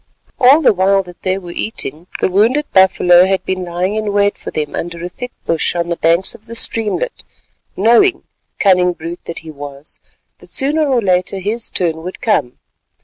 All the while that they were eating, the wounded buffalo had been lying in wait for them under a thick bush on the banks of the streamlet, knowing—cunning brute that he was—that sooner or later his turn would come.